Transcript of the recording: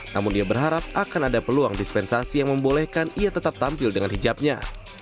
namun dia berharap akan ada peluang dispensasi yang membolehkan ia tetap tampil dengan hijabnya